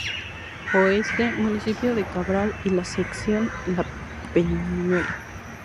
Oeste: Municipio de Cabral y la Sección La Peñuela.